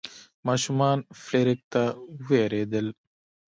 ماشومان فلیریک ته ویرېدل.